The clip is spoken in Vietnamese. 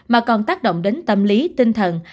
mà còn tác động đến tâm lý tinh thần